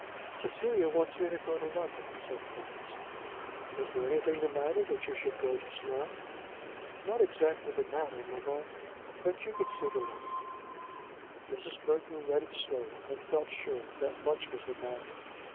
"Cecilia wants me to go to London," said Florence. "Is there anything the matter that you should go just now?" "Not exactly the matter, mamma; but you can see the letter." Mrs. Burton read it slowly, and felt sure that much was the matter.